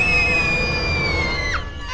ini jemilannya mana